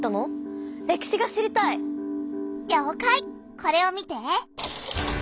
これを見て。